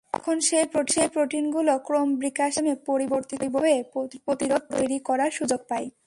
তখন সেই প্রোটিনগুলো ক্রমবিকাশের মাধ্যমে পরিবর্তিত হয়ে প্রতিরোধ তৈরি করার সুযোগ পায়।